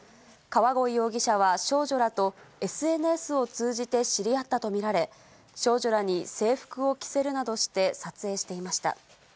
川鯉容疑者は少女らとＳＮＳを通じて知り合ったと見られ、少女らに制服を着せるなどして撮影していました。